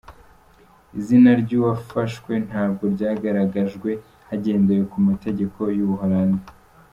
Izina ry’uwafashwe ntabwo ryagaragajwe hagendewe ku mategeko y’u Buholandi.